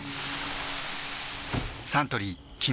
サントリー「金麦」